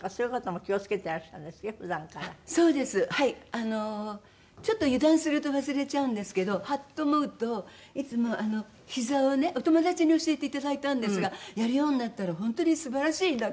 あのちょっと油断すると忘れちゃうんですけどハッと思うといつもあのひざをねお友達に教えていただいたんですがやるようになったら本当に素晴らしいなと。